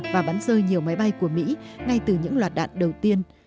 và bắn rơi nhiều máy bay của mỹ ngay từ những loạt đạn đầu tiên